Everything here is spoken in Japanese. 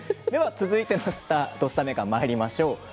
続いての「土スター名鑑」まいりましょう。